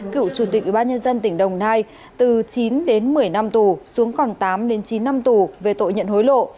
cựu chủ tịch ủy ban nhân dân tỉnh đồng nai từ chín đến một mươi năm tù xuống còn tám đến chín năm tù về tội nhận hối lộ